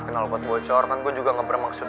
kenal buat bocor kan gue juga gak bermaksud